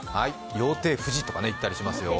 羊蹄富士とか言ったりしますよ。